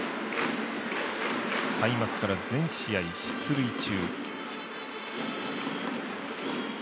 開幕から全試合出塁中。